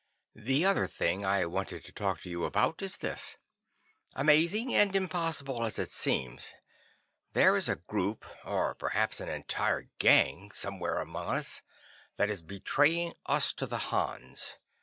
"The other thing I wanted to talk to you about is this: Amazing and impossible as it seems, there is a group, or perhaps an entire gang, somewhere among us, that is betraying us to the Hans.